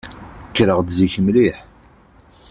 Kkreɣ-d zik mliḥ.